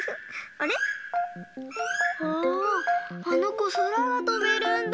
ああのこそらがとべるんだ。